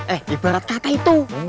eh ibarat kata itu